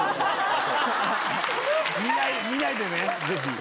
見ないでねぜひ。